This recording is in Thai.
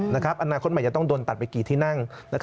อนาคตใหม่จะต้องโดนตัดไปกี่ที่นั่ง